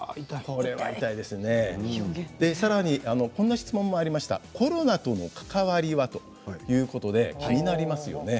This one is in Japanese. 質問もきていましたコロナとの関わりはということで気になりますよね。